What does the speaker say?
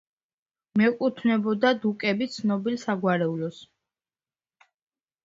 მიეკუთვნებოდა დუკების ცნობილ საგვარეულოს.